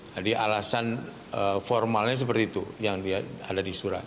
jadi alasan formalnya seperti itu yang ada di surat